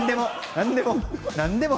何でも。